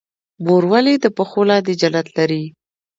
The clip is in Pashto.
مور ولې د پښو لاندې جنت لري؟